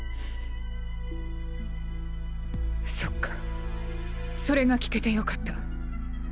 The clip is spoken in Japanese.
そっかそれが聞けてよかった。